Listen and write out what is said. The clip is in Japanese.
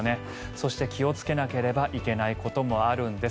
そして、気をつけなければいけないこともあるんです。